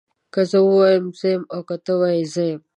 که زه ووایم زه يم او که ته ووايي زه يم